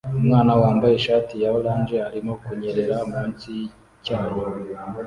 Umwana wambaye ishati ya orange arimo kunyerera munsi yicyayi